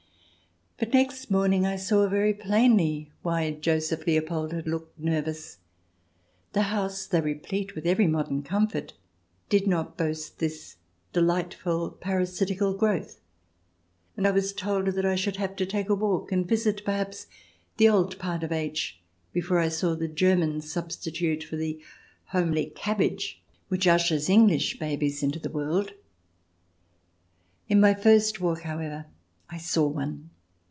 But next morning I saw very plainly why Joseph Leopold had looked nervous. The house, though replete with every modern comfort, did not boast this delightful parasitical growth, and I was told that I should have to take a walk and visit, perhaps, the old part of H before I saw the German substitute for the homely cabbage which ushers English babies into the world. In my first walk, however, I saw one.